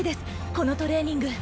このトレーニング。